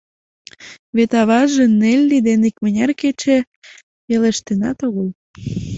Вет аваже Нелли дене икмыняр кече пелештенат огыл.